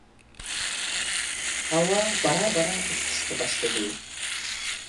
ھاۋا بارا-بارا ئىسسىشقا باشلىدى.